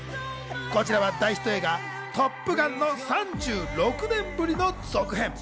こちらは大ヒット映画『トップガン』の３６年ぶりの続編。